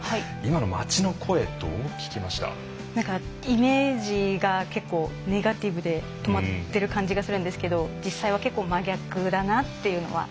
イメージが結構ネガティブで止まってる感じがするんですけど実際は結構真逆だなっていうのは。